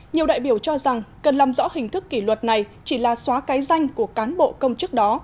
nhiều đại biểu cho rằng cần làm rõ hình thức kỷ luật này chỉ là xóa cái danh của cán bộ công chức đó